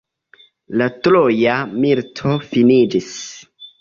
La Troja milito finiĝis.